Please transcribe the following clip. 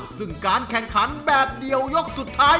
ซึ่งการแข่งขันแบบเดียวยกสุดท้าย